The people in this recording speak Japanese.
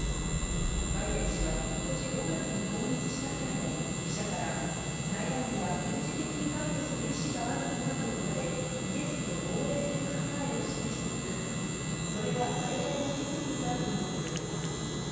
バイデン氏はことし５月に訪日した際も、記者から、台湾には軍事的に関与する意思があるのかと問われ、イエスと、防衛する考えを示しつつ、それがわれわれの責務だとも述べています。